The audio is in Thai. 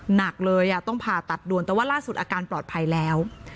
หนักเลยต้องผ่าตัดด่วนแต่ว่าล่าสุดอาการปลอดภัยแล้ว